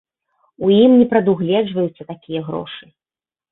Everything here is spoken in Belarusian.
У ім не прадугледжваюцца такія грошы.